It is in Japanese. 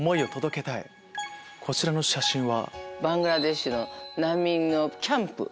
こちらの写真は？